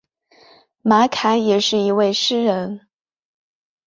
马凯也是一位诗人。